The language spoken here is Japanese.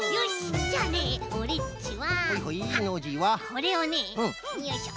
これをねよいしょ。